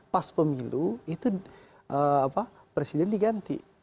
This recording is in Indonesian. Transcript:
pas pemilu itu presiden diganti